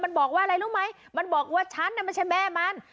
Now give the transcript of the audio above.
มันบอกว่าอะไรรู้ไหมมันบอกว่าฉันน่ะไม่ใช่แม่มัน